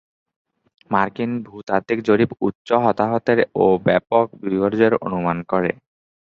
মার্কিন ভূতাত্ত্বিক জরিপ "উচ্চ হতাহতের" ও ব্যাপক বিপর্যয়ের অনুমান করে।